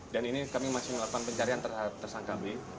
dan ini kami masih melakukan pencarian tersangka b